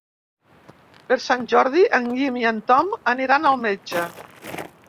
Per Sant Jordi en Guim i en Tom aniran al metge.